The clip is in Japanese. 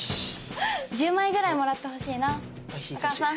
１０枚ぐらいもらってほしいなお母さん！